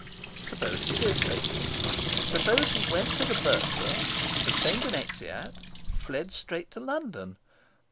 Suppose he did take it! Suppose he went to the Bursar, obtained an exeat, fled straight to London!